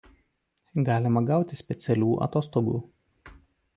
Galima gauti specialių atostogų.